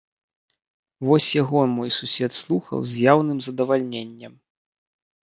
Вось яго мой сусед слухаў з яўным задавальненнем.